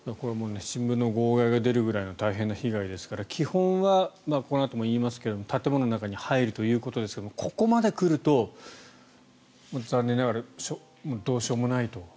新聞の号外が出るくらいの大変な被害ですから基本はこのあとも言いますが建物の中に入るということですがここまで来ると残念ながらどうしようもないと。